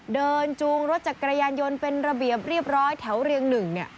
จูงรถจักรยานยนต์เป็นระเบียบเรียบร้อยแถวเรียงหนึ่งเนี่ย